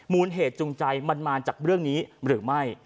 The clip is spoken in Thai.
มูลเหตุจูงใจมันมาจากเรื่องนี้หรือไม่